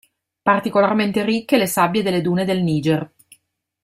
Particolarmente ricche le sabbie delle dune del Niger.